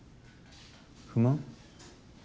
不満？